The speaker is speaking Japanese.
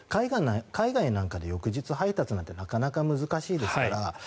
海外なんかで翌日配達なんてなかなか難しいですから。